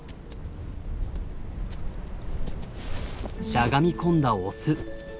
しゃがみ込んだオス。